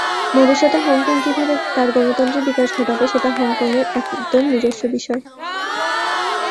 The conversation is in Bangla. ভবিষ্যতে হংকং কীভাবে তার গণতন্ত্রের বিকাশ ঘটাবে, সেটা হংকংয়ের একদম নিজস্ব বিষয়।